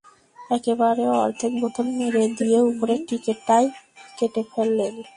একেবারে অর্ধেক বোতল মেরে দিয়ে উপরের টিকেটটাই কেটে ফেলেন।